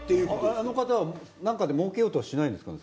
あの方はなんかでもうけようとはしないんですかね